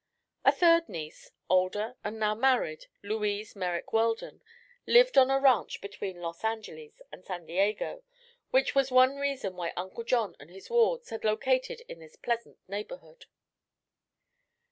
A third niece, older and now married Louise Merrick Weldon lived on a ranch between Los Angeles and San Diego, which was one reason why Uncle John and his wards had located in this pleasant neighborhood.